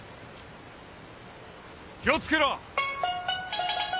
気を付けろ！